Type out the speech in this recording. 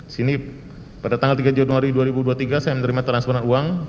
sini pada tanggal tiga januari dua ribu dua puluh tiga saya menerima transferan uang